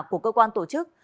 của cơ quan tổ chức